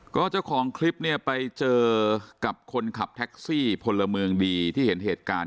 ก็เจ้าของคลิปเนี่ยไปเจอกับคนขับแท็กซี่พลเมืองดีที่เห็นเหตุการณ์